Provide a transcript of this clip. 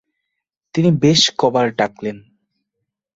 তিনি বেশ ক বার ডাকলেন।